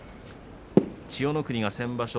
千代の国は先場所